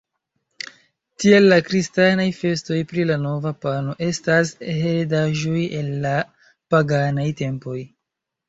Tiel la kristanaj festoj pri la nova pano, estas heredaĵoj el la paganaj tempoj.